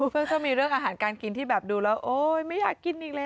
ก็มีเรื่องอาหารการกินที่แบบดูแล้วโอ๊ยไม่อยากกินอีกเลย